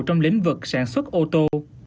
trong lĩnh vực sản xuất ô tô